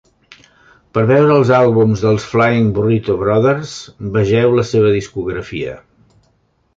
Per veure els àlbums dels Flying Burrito Brothers vegeu la seva discografia.